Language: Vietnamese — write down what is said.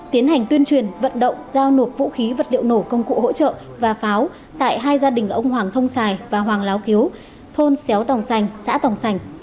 tiến hành tuyên truyền vận động giao nộp vũ khí vật liệu nổ công cụ hỗ trợ và pháo tại hai gia đình ông hoàng thông sài và hoàng láo kiếu thôn xéo tòng sành xã tòng sành